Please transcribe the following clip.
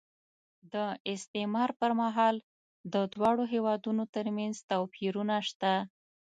د استعمار پر مهال د دواړو هېوادونو ترمنځ توپیرونه شته.